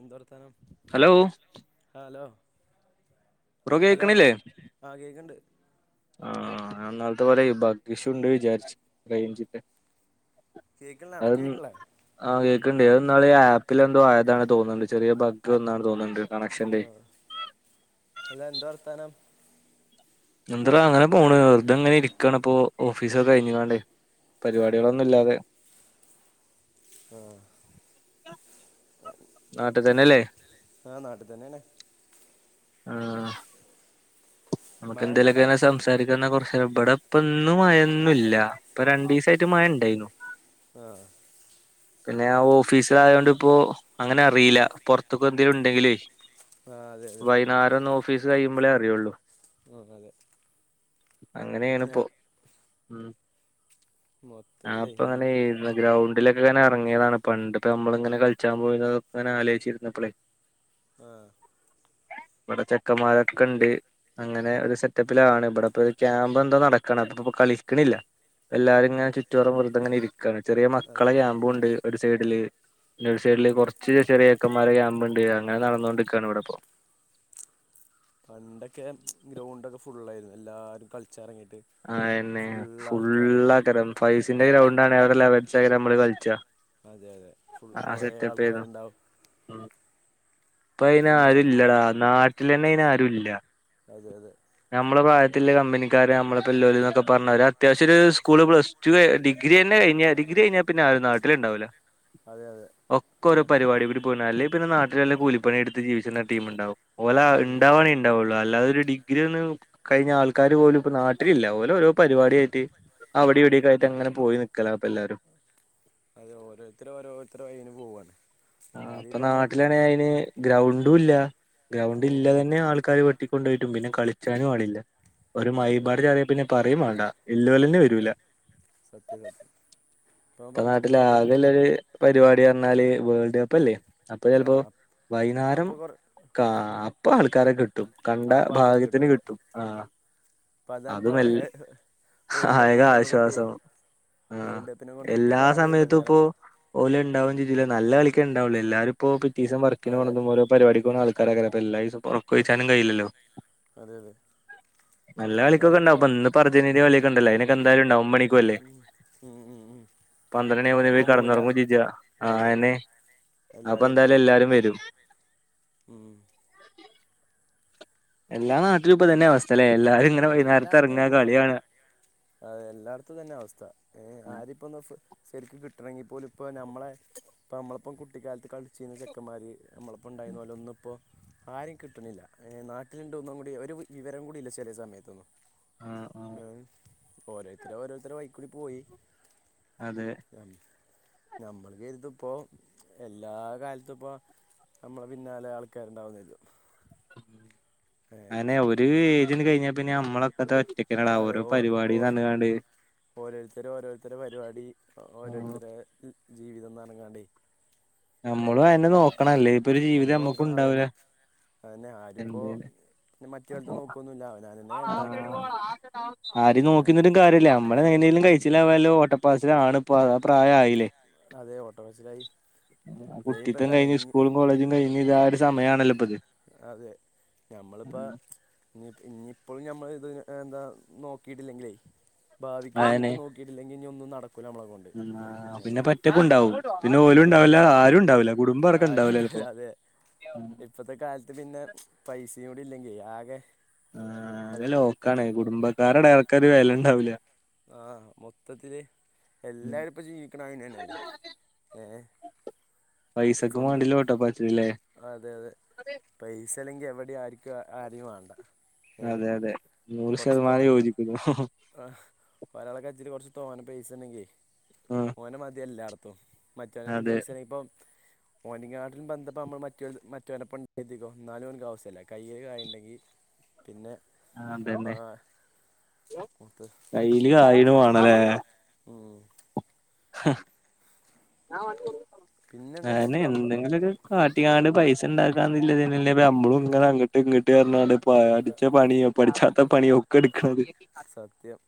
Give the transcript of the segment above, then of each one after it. എന്തർത്താനം hello hello bro hello കേക്കണില്ലേ ആഹ് കേക്ക്ണ്ട് ആഹ് ഞാൻന്നാലത്തെ പോല ബഗീഷുണ്ട് വിചാരിച്ചു റേഞ്ചിന്റെ കേക്ക്ണ്ടോ അത് അനക് കേക്ക്ള്ളെ ആഹ് കേക്ക്ണ്ട് അത് ന്നാള് ആപ്പില് എന്തോ ആയതാണ് തോന്നുന്നുണ്ട് ചെറിയ ബഗ് വന്നാണ് തോന്നുന്നുണ്ടോ തോന്നുന്നുണ്ട് കണക്ഷന്റെ ആഹ് അല്ല എന്ത വർത്താനം എന്ത്രടാ അങ്ങനെ പോണ് വെറുതങ്ങനെ ഇരിക്കണ്പ്പോ ഓഫീസ് ഒക്കെ കഴിഞ്ങ്ങാണ്ടേ ആഹ് പരിപാടികളൊന്നുംല്ലാതെ ആഹ് [unintelligible] അ [unintelligible] ന്നാട്ട്ത്തനല്ലേ? ആഹ് ന്നാട്ട് തനേണ്. ആഹ് മഴണ്ടോ ന്നമ്ക്കെന്തേലൊക്കെ അവ്ടെ ഇങ്ങനെ സംസാരിക്കന്നാ കൊറേ- ഇപടെപ്പ ഇന്ന് മയൊന്നുല്ല ഇപ്പ രണ്ടീസായ്ട്ട് മയ ഇണ്ടായിന്നു. ആഹ് പിനെ ഞാൻ ഓഫീസിലായൊണ്ട് ഇപ്പോ അങ്ങന അറിയില പൊറത്ത് ക്ക് എന്തേലും ഉണ്ടങ്കിലേ. ആഹ് അതെ അതെ വൈന്നാരം ഒന്ന് ഓഫീസ് കയ്യുമ്പളേ അറിയൊള്ളു. [unintelligible] ഞാ അങ്ങനേണ്പ്പോ മം മൊത്തത്തിലേ എൽ അപ്പങ്ങനേഴ് - അന്ന് ഗ്രൗണ്ടിലൊക്കെങ്ങനെ എറങ്ങിയതാണ് പണ്ട് ഇപ്പഞമ്മള്ങ്ങനെ കളിച്ചാൻ പോയിന്നതൊക്കെ ആലോയ്ച്ചിരുന്നപ്പളേ. ആഹ് ഇവിടെ ചെക്കന്മാരൊക്ക്‌ണ്ട്. അങ്ങനെ ഒരു സെറ്റപ്പിലാണ് ഇവിടെപ്പൊരു ക്യാമ്പ് എന്തോ ന്നടക്കണ് അപ്പ ഇപ്പ കളിക്ക്ണില്ല. എല്ലാരും ഇങ്ങനെ ചുറ്റോറം വെർത്ങ്ങനെ ഇരിക്കാണ് ചെറിയ മക്കളെ അതെ ക്യാമ്പുംണ്ട്. ഒര് സെയ്‌ഡില് പിനെ ഒരു ഉം സെയ്‌ഡില് ഉം കൊറച്ച് ചെറിയചെക്കന്മാരെ ക്യാമ്പ് ണ്ട് അങ്ങനെ ന്നടന്നോണ്ട്ക്കാണ് ഇവടപ്പോ. പണ്ടൊക്കെ ച്ച് ഗ്രൗണ്ടൊക്കെ ഫുള്ളായിര്ന്ന് എല്ലാരും കളിച്ചാ എറങ്ങിട്ട്. അയനെ ഫുള്ളാക്കരം ഫൈവ്സിന്റെ ആഹ് ഗ്രൗണ്ടാണ് അവരെ ലെവൽസൈഡ് നമ്മള് കളിച്ചാ. അതെ അതെ ഫുൾ കുറെ ആൾക്കാര്ണ്ടാവും. ആ പിന്നെ ഇപ്പയ്നാരുല്ലടാ ന്നാട്ട്ലെനെയ്നാരുല്ല. അതെ അതെ നമ്മളെ പ്രായത്തിൽള കമ്പനിക്കാരെ നമ്മള് പിള്ളേരോന്നൊക്കെ പറഞ്ഞ ഒരഅത്യാവശ്യം ഒര് സ്കൂള് പ്ലസ്- ട്ടു എ ഡിഗ്രിയെനെ കൈഞ്ഞ ഡിഗ്രി കയ്ഞ്ഞാ പിനെ ആരും ന്നാട്ടില്ണ്ടാവൂലാ. അതെ അതെ ഒക്കൊ ഓരോ അതാണ് പര് വാടി ഇവിര് പോയിന്നാ അല്ലെ പിനെ ന്നാട്ടില് വല്ല കൂലി പണി എടുത്ത് ജീവച്ചിന്ന ടീം ഇണ്ടാവും ഓല ഉം ഇണ്ടാവണെൻ- ഉണ്ടാവുള്ളു അല്ലാതൊരു ഡിഗ്രിഒന്നും കഴിഞ്ഞ ആൾക്കാര് പോലും ഇപ്പൊ ന്നാട്ടിലില്ല ഓല് ഓരോ പരിപാടിയായിട്ട്. അവിടേം ഇവിടെക്കായ്ട്ട് അങ്ങനെ പോയി ന്നിക്കല ഇപ്പഎല്ലാരും. അതെ ഓരോരുത്തര് ഓരോരുത്തര വഴില് പോവാണ്. ആ ഇപ്പ ആരിപ്പോ ഒന്ന് ന്നാട്ട്ലേണെ അയ്ന് ഗ്രൗണ്ടുംല്ല ഗ്രൗണ്ട് ഉം ഇല്ല ഉം തന്നെ ആൾക്കാര് - ട്ടി കൊണ്ടോയ്ട്ടും പിനെ കളിച്ചാനും ആളില്ല ഒരു അതെ അതെ മൈപാട് കേറിയേ പിന്നെ പറയേം വേണ്ട. ഇല്ലോലെനെ വെരൂല സത്യാ സത്യ. ഇപ്പന്നാട്ടില് ആകെള്ളൊര് പരിപാടി പർഞ്ഞാല് വേൾ ട്കപ്പല്ലേ അപ്പ ആ ചെലപ്പോ വൈന്നാരം അപ്പൊ കൊറ കാ ആ അപ്പ ആൾക്കാരെ കിട്ടു- ട്ടും കണ്ട അപ്പൊ ആൾക്കാരെ ഭാഗ്യത്തിന് അതെ കിട്ടും ആ ഹ് അപ്പൊ അതാണിപ്പോ അതുമെൽ വേൾഡ് ആയക കപ്പിനോട് കിട്ടിയേ ആശ്വാസം ആഹ് വേൾഡ് കപ്പിനെ കൊണ്ട് എല്ലാ കിട്ടിയപ്പോ ആകെ ഒരു ഉപകാരപ്പ സമയത്തുംപ്പോ- ഓല് ഇണ്ടാവും ചെയ്തില്ല ന്നല്ല കളിക്കാണ്ടാവൊള്ളേ എല്ലാരും ഇപ്പോ പിറ്റീസം വർക്കിന്‌ അതെ പോണതും ഓരോ- പരിപാടിക്ക് പോകുന്ന ആൾക്കാരകാരം അപ്പ എല്ലാഈസോം ഇപ്പ ഒറക്കൊയ്ച്ചാനും കഴിയില്ലല്ലോ. അതെ അതെ ന്നല്ല ഏതായാലും കളിക്കൊക്കെൻടാവും ഇപ്പോ ഇപ്പ്ന്ന് പ്പോ അർജന്റീൻന്റെ കളിയൊക്കെ ഇണ്ടല്ലേ അയ്നൊക്കെ എന്തായാലും ണ്ടാവും ഒമ്പണിക്കും അല്ലേ. ഉം ഉം ഉം പന്ത്രണ്ടണി ആവുബത്തെപോയ്‌ ഉറക്കം പോവില്ല കടന്നൊറങ്ങൊ ചെച്ചാ ആ അതെ അയനെ. എല്ലാരും എത്തും അപ്പെന്തായാലും അപ്പൊ എല്ലാരും വെരും. ഉം എല്ലാ ന്നാട്ടിലും ഇപ്പ ഇതനെ അവസ്ഥലെ എല്ലാരും ഇങ്ങനെ വൈന്നേരത്തെറങ്ങാ കളി കാണാ. അ എല്ലായിടത്തും ഇത് തന്ന അവസ്ഥ ഏ ആരിപ്പോന്ന് ഫൊ ശരിക്കും കിട്ടണങ്കിൽ പോലും ഇപ്പോ നമ്മളെ ഇപ്പോ നമ്മളപ്പം കുട്ടിക്കാലത്ത് കളിച്ചിരുന്ന ചെക്കമ്മാര് നമ്മളപ്പോ ഉണ്ടായിരുന്ന പോലെ ഇന്ന് ഇപ്പോ ആരേം കിട്ടുന്നില്ല ഏ നാട്ടിലുണ്ടോ ഒന്നും കൂടി ഒരു വിവരം കൂടി ഇല്ല ചെല സമയത്ത് ത്തൊന്നും ആഹ് ആഹ് ഓരോരുത്തര് ഓരോരുത്തര വൈക്കൂടി പോയി അതെ ഞം ഞമ്മൾ കരുതിപ്പോ എല്ലാ കാലത്തും ഇപ്പോ നമ്മളെ പിന്നാലെ ആൾക്കാരുണ്ടാവുന്ന് കരുതും ഏ അന്നെ ഒരു ഏജ്ന് കഴിഞ്ഞ പിന്നെ നമ്മളോക്കതാ ഒറ്റക്കല്ലട ഓരോ പരിപാടി പറഞ്ഞ്കാണ്ട് ഓരോരുത്തര് ഓരോരുത്തര പരിപാടി ഓരോരുത്തര ജീവിതം പറഞ്ഞങ്ങാണ്ടേ നമ്മളും അയന്നെ നോക്കണംഅല്ലേ ഇപ്പൊ ഒരു ജീവിതം നമ്മുക്ക് ഉണ്ടാവൂല അതന്നേ ആരിപ്പോ എന്തേലും പിന്നെ മറ്റേടുത്ത് നോക്കുവൊന്നുമില്ല അവരോര് ന്നെ ഇണ്ടാക്കണം ആഹ് ആരേം ഏ നോക്കിന്നിട്ടും കാര്യല്ല നമ്മള് എങ്ങനേലും കെയ്ച്ചില്ലവാല്ലോട്ടപ്പാച്ചിലിൽ ആണ് ഇപ്പ ആ പ്രായ ആയില്ലേ അതെ ഓട്ടപ്പാച്ചിലായി കുട്ടിത്തം കഴിഞ്ഞ് സ്കൂളും കോളേജും കഴിഞ്ഞ് ഇത് ആ ഒരു സമയം ആണല്ലോ ഇപ്പൊ ഇത് അതെ നമ്മളിപ്പ ഇഞ്ഞി ഇഞ്ഞിപ്പോഴും ഞമ്മള് ഇത് എന്താ നോക്കിയിട്ടില്ലെങ്കിലേ ഭാവിക്ക് വേണ്ടിയിട്ട് നോക്കി ല്ലെങ്കി ഇനി ഒന്നും നടക്കൂല്ല നമ്മളെ കൊണ്ട് മ്മ് ആഹ് ആ പിന്നെ ഏഹ് പറ്റപ്പ് ഉണ്ടാവും പിന്നെ ഓലും അതെ ഉണ്ടാവൂല ആരും ഉണ്ടാവില്ല കുടുംബം അടക്കം ആരും ഉണ്ടാവില്ല അതെ [unintelligible] ഇപ്പത്തെ കാലത്ത് പിന്നെ പൈസയൂടി ഇല്ലെങ്കി ആകെ ആഹ് അതെ അകെ എൽ ലോക്കാണ് അതെ കുടുംബക്കാരടെക്കര് വെലണ്ടാവൂല്ല ആഹ് മൊത്തത്തില് എല്ലാരുംപ്പോ ജീവിക്കണ് അങ്ങ്നന്നെല്ലേ ഏഹ് പൈസക്കും സ്വന്തം മാണ്ടില്ല ഓട്ടപ്പാച്ച്ല് ല്ലേ അതെ അതെ പൈസല്ലെങ്കി എവിടെ ആര്ക്കും ആരേം വാണ്ട അതെ അതെ നൂറ് ശതമാനം യോജിക്കുന്നു ഹ് ഹ് ആ പലാള കജ്ജില് കുറച്ച് തോന പൈസണ്ടെങ്കി ഉം ഓന മതില്ലാട്ത്തും മറ്റോനട്ത്ത് പൈസണ്ട ഇപ്പൊ ഓന്റെങ്ങാട്ടിലും ബന്ധപ്പോ നമ്മള് മറ്റൊ മറ്റോലപ്പംണ്ട കര്തിക്കൊ ഇന്നാലും ഓൻകാസ്യ കയ്യില് കായിണ്ടങ്കി പിന്നെ ആഹ് അതെന്നെ ത്ത് കയ്യില് കായിണ് മാണലേ ഉം ഹ അ പിന്നെന്താ വെച്ചാൽ അന്നെ ഇപ്പം നമ്മൾ എന്തെങ്കിലൊരു കാട്ടികാണ്ട് പൈസ ഇണ്ടാക്കാന്ന്ല്ലതേനില്ലപ്പൊ നമ്മളും ഇങ്ങനെ അങ്ങ ട്ട് ഇങ്ങട്ട് പറ്ഞ്ഞാണ്ട് പട്ച്ചപണിം പട്ച്ചാത്തപണിയൊക്കെ ഇടക്ക്ണത് സത്യം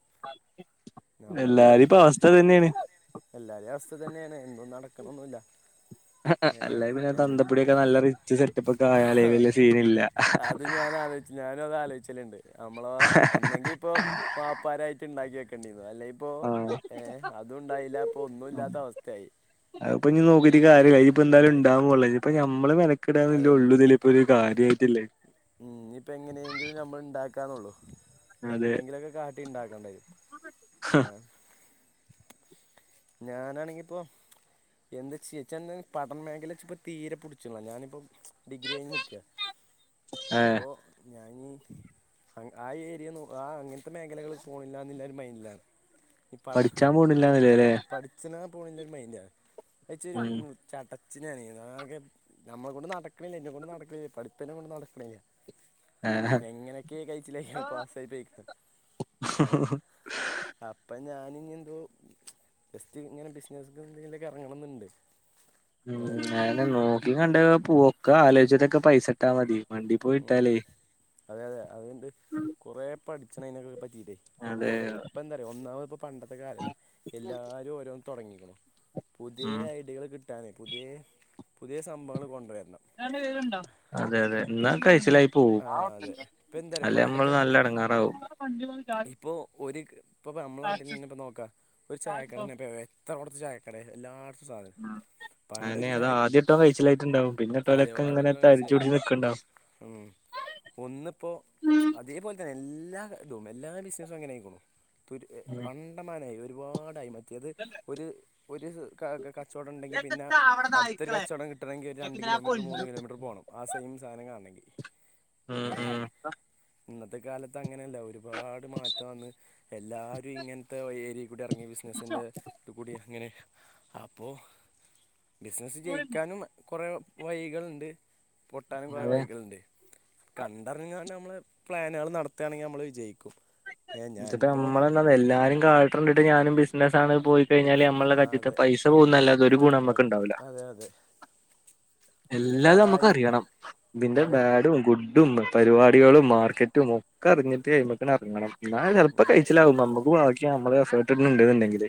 എല്ലാരിപ്പ അവസ്ഥ ഇതന്നെണ് എല്ലാരിഅവസ്ഥ ഇതന്നെണ് ഇന്നും നടക്കണ്ന്നുല്ല ഏ അല്ലെ പിന്നെ എ തന്തപ്പൊടിയൊക്കെ നല്ല റിച്ച് സെറ്റപ്പ് ഒക്കെ ഹ ആയാലേ ഹ വലിയ സീനില്ല അത് ഞാൻ ആലോ ഞാനും അത് ആലോച്ചല്ണ്ട് നമ്മള ഒന്നെങ്കി ഇപ്പോ വാപ്പാരായിട്ട് ഇണ്ടാക്കി വെക്കേണ്ടിന്നു അല്ലെയി പ്പോ ആഹ് ഏഹ് അതുണ്ടായില്ല പ്പോ ഒന്നു ഇല്ലാത്ത അവസ്ഥയായി അഹ്പ്പൊ ഇഞ്ഞ് നോക്കിട്ട്കാര്യല്ല ഇനിപ്പന്താലും ആയി ഇണ്ടാവപോണ്ല്ല ഇപ്പ ഞമ്മള് മെനക്കടാന്നുള്ളുതില് ഇപ്പൊരു കാര്യയാട്ടില്ലെ ഉം ഇഞ്ഞ്പ്പ എങ്ങനേങ്കിലും നമ്മള് ഇണ്ടാക്കാന്നൊള്ളു അതെ എന്തെങ്കിലുലൊക്കെ കാട്ടി ഇണ്ടാക്കണ്ടഹ് ഞാനാണെങ്കിപ്പൊ എന്താ ചെയ്യാച്ചന്ന് പഠനമേഖല ഇച്ച്പ്പ തീരെ പുട്ച്ച്ല്ല ഡിഗ്രി കയിന്ന് നിക്കാ അപ്പോ ഞാഞ്ഞി ആ ഏരിയന്നു ആ അങ്ങനത്തെ മേഖലകള് പോണില്ലന്ന്ല്ലരു മൈൻഡിലാണ് ഈ പഠ പഠിച്ചാൻ പോണില്ലാന്നില്ലല്ലേ പഠിച്ച്ണാ പോണല്ലരു മൈൻഡാണ് അഹ്ച്ചരു ഉം നിർ ചടച്ച് ഞാന് ഞമ്മളെകൊണ്ട് നടക്ക്‌ണില്ലേ ഇന്നെ കൊണ്ട് നടക്ക്‌ണില്ലേ പട്ത്ത ഇന്നെകൊണ്ട് നടക്ക്‌ണില്ല്യ എങ്ങനെക്കെ കയിച്ചിലായി പാസ്സായി പോയിക്ക്‌ണ് അപ്പഞാനിഞ്ഞിന്തോ ജസ്റ്റ് ഇങ്ങനെ ബിസിനസ്ക്ക്‌എന്തെകി ലൊക്കെ എറങ്ങണംന്ന്ണ്ട് ഉം അഎന്നെ നോക്കി കണ്ടഹ് പോക്കെ ആലോചിച്ചിട്ടൊക്കെ പൈസട്ടാ മതി വണ്ടി പോയി ഉം ഇട്ടാലേ അതെ അതെ അഹ്ണ്ട് കുറേ പട്ച്ചണ അയിനൊക്കെ പറ്റിട്ടെ അതെ എന്തക്കെട്ടെ ഇപ്പന്താറിയൊ ഒന്നാമത്പ്പോ പണ്ടത്തെ കാലല്ല എല്ലാരും ഓരോന്ന് തൊടങ്ങിക്ക്‌ണു പുതിയേ ഉം ഐഡിയകള് കിട്ടാനെ പുതിയേ പുതിയ സംഭവങ്ങള് കൊണ്ട് വരണം ജ്ജാണ്ട് വെരുണ്ടോ അതെ അതെ ഇന്നാ കൈച്ചിലായി പോവും ആ അതെ ഇപ്പം എന്താ പറയുക അല്ലെ നമ്മള് നല്ല എടങ്ങാറാവും ഇപ്പൊ ഒര് ഇപ്പപ്പൊ അമ്മളെ നാട്ടിലെന്നെ ഇപ്പ നോക്കാ ഒര് ചായക്കടന്നെപ്പ എവെ ത്തവ്ടത്ത് ചായക്കടെ എല്ലാടത്തും സാധന ആന്നെ അതാ ആദ്യട്ടോൻ കഴിച്ചിലായിട്ടുണ്ടാവും പിന്നെ അതെയോ അത് ട്ടോലൊക്കെങ്ങനെ എത്ര കഴിച്ചിലായി തരിച്ചുടിച്ച് നിക്ക്‌ണ്ടാവും ഉം ഒന്ന്പ്പോ അതേപോലെ തന്നെ എല്ലാ ഇതും എല്ലാ ബിസിനസ്സും അങ്ങനെ ആയിക്ക്‌ണു തുര് എ ഉം കണ്ടമാനായി ഒരുപാടായി മെ ത്തിയത് ഒര് ഒര് ക കച്ചോടം ണ്ടെങ്കി പിന്ന അട്‌ത്തൊരു കച്ചോടം കിട്ടണെങ്കി ഒരു രണ്ട് കിലോമീറ്റർ മൂന്ന് കിലോമീറ്റർ പോണം ആ സെയിം സാനം കാൺണെങ്കി ഉം ഏഹ് ഉം ഇന്നത്തെ കാലത്ത് അങ്ങനെ എല്ലാവരും. പാട് മാറ്റം വന്ന് എല്ലാരും ഇങ്ങനത്തെ ഏരിയേകൂടി എറങ്ങി ബിസിനസിന്റെ ത് കൂടി ഇങ്ങനെ. അപ്പോ ബിസിനസ്സ് ജയിക്കാനും കൊറെ വഴികള് ണ്ട്. പൊട്ടാനും കൊറെ അതെ വൈക് ന്റെ കണ്ടറിഞ്ഞാണ്ട് മ്മള് പ്ലാനേള് നടത്താണെങ്കി മ്മള് വിജയിക്കും ഏ ഇപ്പത്തെ ഞാനിപ്പോൾ മ്മളെന്താന്നൊ എല്ലാരും കാട്ട്ണണ്ടിട്ട് ഞാനും ബിസിനസ്സാണ് പോയി ക്കയിഞ്ഞാല് മ്മള്ടെ ആ കജ്ജ് ത്തെ അതെ പൈസ പോവുന്നല്ലാതെ ഒരു ഗുണം അ- നമ്മക്ക്ണ്ടാവൂല. അതെ അതെ പിന്നെ എല്ലാതും കടായി നമ്മക്കറിയണം ഇതിന്റെ അതെ ബാഡും ഗുഡും പരിപാടിയേളും മാർക്കറ്റും ഒക് ക്കർഞ്ഞിട്ട് അയ്മക്കാണെറങ്ങണം. ന്നാല് ചെല് പ്പം കയ്ച്ചിലാവും നമ്മക് ഭാഗ് ഗ്യാ മ്മള് എഫേർട്ട്ട്‌ന്ന്ണ്ടെങ്കില്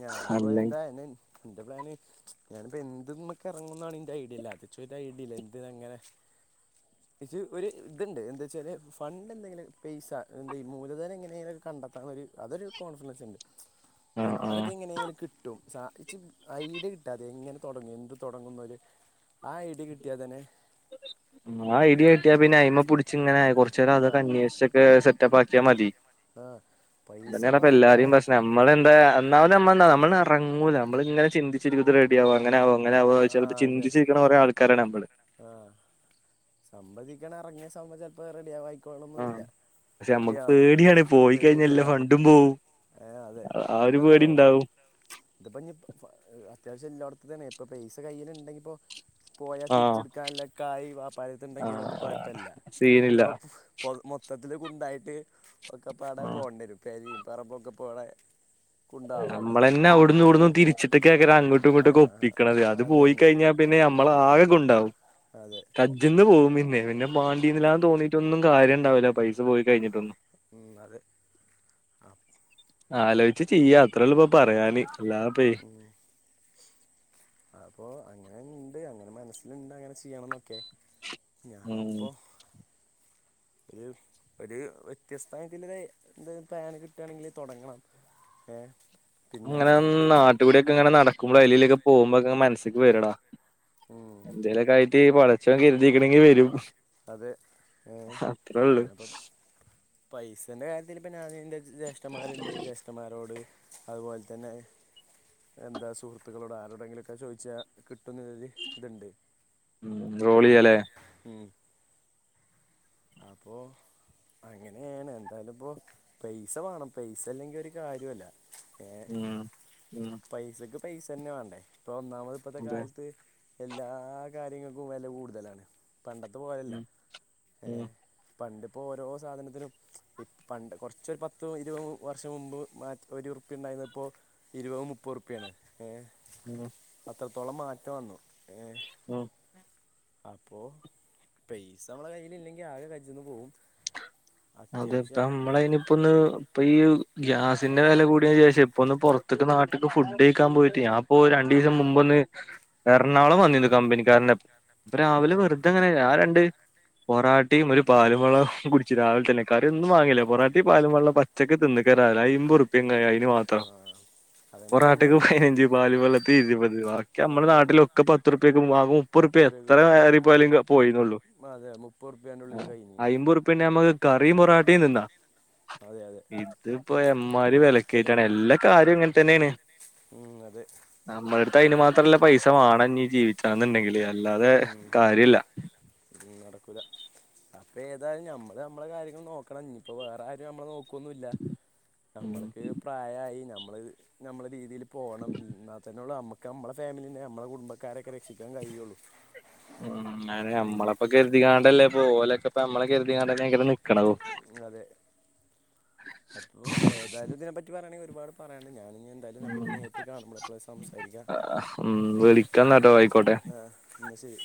ഞാന് പ്പോ എന്താ അയ്നു ന്റെ പ്ലാന് ചും ഞാന്പ്പോ എന്ത്മ്മക്ക് എറങ്ങുന്നാണ് ന്റെ ഐഡിയല്ലാത്തെ, ച്ചൊരു ഐഡിയല്ല എന്തിനങ്ങനെ ഇജ് ഒര് ത്ണ്ട് എന്താച്ചാൽ ഫണ്ട് എന്തെങ്കിലും പൈസ എന്ത് മൂലധനം എങ്ങനെലൊക്കെ കണ്ടെത്താൻ ള്ള ഒര് അതൊരു കോൺഫിണസ് ണ്ട് ആഹ് അതൊക്കെ എങ്ങനെലും കിട്ടും സാ, ച്ച് ഐഡിയ കിട്ടാത്തെ എങ്ങനെ തൊടങ്ങും എന്ത്‌ തൊടങ്ങുന്നൊര് ആ ഐഡിയ കിട്ടിയാ തന്നെ ആഹ് ആ ഐഡിയ കിട്ടിയാ പിന്നെ അയ്മ്മെ പുട്ച്ച് ഇങ്ങനെ കൊറ്ച്ചെരം ആ അതൊക്കന്വേഷിച്ച ക്കെ സെറ്റപ്പാക്കിയാ മതി ആഹ് പൈസ ഇപ്പ നമ്മക്ക് ആയ് മ്മളെന്താ എന്നാമതെമ്മളെന്താന്നൊ മ്മളെറങ്ങൂല നമ്മള്ങ്ങനെ ചിന്തിച് ചിഞ്ത് റെഡി ആവോ അങ്ങനാവോ ങ്ങനാവോ ചെല് പ്പം ചിന്തിച്ചിരിക്ക്ണ കൊറേ ആൾക്കാരാണ് നമ്മള് ആഹ് സംവദീക്കണിറങ്ങിയ സംഭവം ചെലപ്പം ആഹ് റെഡിയാവായിക്കോളണന്നുല്ല പക്ഷെ നമ്മക്ക് പേടിയാണ് പോയിക്കഴിഞ്ഞാ എല്ല അതെ ഫണ്ടും പോവും ആഹ് ഒരു പേടി ഇണ്ടാവും ഇതിപ്പോ ഇഞ് ഇപ് ഫ അത്യാവശ്യല്ലോട്തെന്നെ ഇപ്പ പൈസ കയ്യില്ണ്ടെങ്കി പ്പോ പോയാ ആഹ് തിരിച്ചെടുക്കാനുള്ള കായി വാപയിതുണ്ടെങ്കിലൊന്നും ആഹ് കൊയപ്പില്ല. സീനില്ല ഇതിപ്പോ ഇപ്പൊ മൊത്തത്തില് കുണ്ടായിട്ട് ഒക്കെപ്പാടെ ആഹ് പോണ്ടെരും പെരിം പറമ്പൊക്കെപാടെ നമ്മളന്നെ അവിടു‌ന്നും ഇവിടുന്നും തിരിച്ചിട്ടയ്ക്കാരം അങ്ങോട്ടും ആ ഇങ്ങോട്ടുവൊക്കെ ഒപ്പിക്ക്ണത് അത് പോയി അതന്നെ കയിഞ്ഞാ പിന്നെ ഞമ്മളാകെ ഗുണ്ടാവും അതെ കജ്ജിന്ന് പോവും പിന്നെ. പിന്നെ മാണ്ടീര്ന്നില്ലാന്ന് തോന്നീട്ടൊന്നും കാര്യംണ്ടാവൂല പൈസ പോയി കഴിഞ്ഞിട്ടൊന്നും ഉം അതെ ആഹ് ആലോയ്ച്ച് ചെയ്യ അത്രേയുള്ളൂ ഇപ്പൊ പറയാന് അല്ലാതിപ്പൊ [unintelligible] അപ്പോ അങ്ങനെ ഇണ്ട് അങ്ങനെ മനസ്സിലുണ്ട് അങ്ങനെ ചെയ്യണംന്നൊക്കെ ഉം ഞാൻപ്പോ ഒര് ഒര് വ്യത്യസ്ഥായിട്ടുള്ള ഒര് പ്ലാൻ കിട്ടാണെങ്കില് തൊടങ്ങണം ഏഹ് അങ്ങനെന്ന് നാട്ടുകൂടിയൊക്കെ ഇങ്ങനെ നാട്ടീക്കൂടിയൊക്കെ നടക്കുമ്പോ അയ്ലീലൊക്കെ പോവുമ്പോെ ഒക്കെ മനസ്സില്ക്ക് വരൊള്ളു എന്തേലൊക്കെ ആയിട്ട് പടച്ചോൻ കരിതീക്ക്ണെങ്കി വരും. അതെ ഉം അത്രേ ഉള്ളൂ ഞാപ്പം പൈസെൻ്റെ കാര്യത്തിൽ ഇപ്പം ഞാന് എൻ്റെ ജേഷ്ഠന്മാരുണ്ട് ജേഷ്ഠന്മാരോട് അതുപോലെ തന്നെ എന്താ സുഹൃത്തുക്കളോട് ആരോടെങ്കിലുംക്കെ ചോദിച്ചാൽ കിട്ടുന്ന ഒരിതുണ്ട് ഉം ഉം റോളെയ്യാലേ ഉം അപ്പോ അങ്ങനെയാണ് എന്തായാലും ഇപ്പോ പൈസ വേണം പൈസ ഇല്ലെങ്കി ഒരു കാര്യോല്ല ഏഹ് ഉം ഉം പൈസക്ക് പൈസന്നെ വേണ്ടേ ഇപ്പൊ ഒന്നാമത് ഇപ്പോഴത്തെ അതെ കാലത്ത് എല്ലാ കാര്യങ്ങൾക്കും വെല കൂടുതലാണ് പണ്ട ത്തെപോലല്ല ഉം ഉം ഏഹ് പണ്ടിപ്പോ ഓരോ സാധനത്തിനും ഈ പണ്ട് കുറച്ചൊരു പത്ത് ഇരുപതും വർഷം മുമ്പ് മ ഒരു റുപ്യ ഉണ്ടായിരുന്നപ്പോ ഇരുപതും മുപ്പത് റുപ്പ്യ ആണ് ഏഹ് ഉം അത്രത്തോളം മാറ്റം വന്നു ഏഹ് ഉം അപ്പോ പൈസ നമ്മളെ കയ്യിൽ ഇല്ലെങ്കിൽ ആകെ കജിന്ന് പോവും അതിപ്പം അത്യാവശ്യമാണ് നമ്മളയില് ഇപ്പൊന്ന് ഇപ്പൊ ഈ ഗ്യാസിന്റെ വില കൂടിയശേഷേ ഇപ്പൊന്ന് പുറത്തേക്ക നാട്ടിക്ക് ഫുഡ് കഴിക്കാൻ പോയിട്ട് ഞാ ഓഹ് രണ്ടു ദിവസം മുമ്പ് ഒന്ന് എറണാകുളം വന്നിരുന്നു കമ്പനിക്കാരന്റൊപ്പം ആ രാവിലെ വെറുതെ അങ്ങനെ ഞാൻ രണ്ട് പൊറാട്ടിയും ഒരു പാലും വെള്ളം കുടിച്ചു രാവി കറിയൊന്നും വാങ്ങിയില്ല പൊറോട്ടിയും പാലും വെള്ളോം പച്ചക്ക് തിന്ന്ക്കാരാ ആയിമ്പത് റു പിന്നേ അയിന് മാത്രം ആ അതന്നെ പോറാട്ടക്ക് പറഞ്ഞത് പതിനഞ്ച് പാലും വെള്ളത്തിനു ഇരുപത് നമ്മുടെ അതന്നെ നാട്ടിലൊക്കെ പത്ത്റുപ്പ്യക്കും വാങ്ങും മുപ്പത് പത്ത് റുപ്യ ഉറുപ്പ്യക്ക് എത്ര യേറി പോയാലും പോയിന്നുള്ളു അതെ മുപ്പതുറുപ്പ്യേൻന്റുള്ളില് കഴിഞ്ഞ് അമ്പത്റുപ്പ്യ ഇണ്ടേ നമുക്ക് കറിയും പൊറാട്ടയും തിന്നാ അതെ അതെ ഇതിപ്പോ എമ്മാരി ഒറ്റടി വെലക്കയറ്റാണ് എല്ലാ കാര്യം ഇങ്ങനെ തന്നെയാണ് ഉം അതെ നമ്മുടെ അടുത്ത് അതിന് മാത്രല്ല പൈസ വേണംനീ ജീവിച്ചാന്നുണ്ടെങ്കില് അല്ലാതെ കാര്യല്ല ഉം നടക്കൂല അപ്പെ ഏതായാലും നമ്മള് നമ്മളെ കാര്യങ്ങള് നോക്കണം ഇനി ഇപ്പോ വേറെ ആരും നമ്മളെ നോ ക്കൊന്നില്ല ഉം നമ്മളൊക്കെ പ്രായായി നമ്മള് നമ്മളെ രീതിയിൽ പോണം എന്നാൽത്തന്നെ ഉള്ളൂ നമുക്ക് നമ്മുടെ ഫാമിലീനെ നമ്മുടെ കുടുംബക്കാരൊക്കെ രക്ഷിക്കാൻ കഴിയുള്ളൂ ഉം അതെ ഉം നമ്മളപ്പോ കരുതികാണ്ടല്ലേ പോലൊക്കെപ്പ നമ്മളെ കരുതികാണ്ട ഇങ്ങനെ നിക്കണതും അതെ അപ്പോ ഏതായാലുംതിന പറ്റി പറയാണെങ്കി ഒരുപാട് പറയണ്ട് ഞാനിനി എന്തായാലും നമുക്ക് നേരിറ്റ് കാണുമ്പോ നമ്മൾപ്പോ സംസാരിക്കാം ഉം വിളിക്കാന്നാട്ടോ ആയിക്കോട്ടെ എന്നാ ശരി